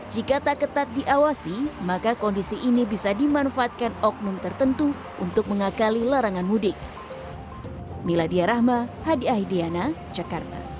jika tak ketat diawasi maka kondisi ini bisa dimanfaatkan oknum tertentu untuk mengakali larangan mudik